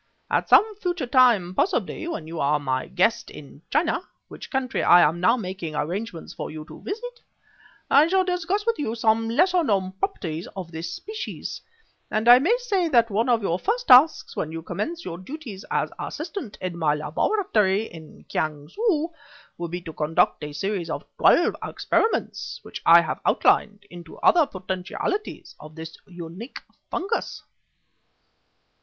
At some future time, possibly when you are my guest in China which country I am now making arrangements for you to visit I shall discuss with you some lesser known properties of this species; and I may say that one of your first tasks when you commence your duties as assistant in my laboratory in Kiang su, will be to conduct a series of twelve experiments, which I have outlined, into other potentialities of this unique fungus."